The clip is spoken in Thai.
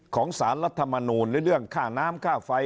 ของสารรัฐมนูลหรือเรื่องค่าน้ำค่าไฟ